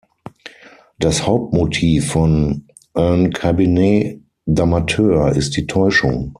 Das Hauptmotiv von "Un Cabinet d’amateur" ist die "Täuschung".